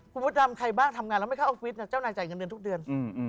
คุณมดดำใครบ้างทำงานแล้วไม่เข้าออฟฟิศนะเจ้านายจ่ายเงินเดือนทุกเดือน